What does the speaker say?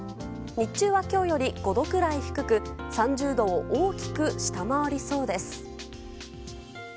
日中は今日より５度くらい低く３０度を大きく下回りそうです。